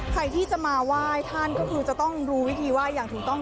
ใครที่จะมาไหว้ท่านก็คือจะต้องรู้วิธีไหว้อย่างถูกต้อง